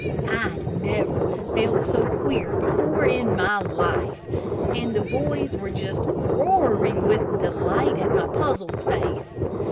I never felt so queer before in my life, and the boys were just roaring with delight at my puzzled face.